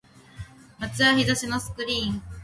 街は日差しのスクリーン